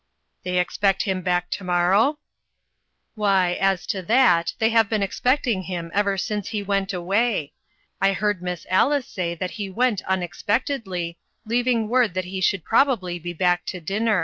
" They expect him back to morrow ?"" Why, as to that, they have been expect ing him ever since he went away. I heard Miss Alice say that he went unexpectedly, leaving word that he should probably be back to dinner."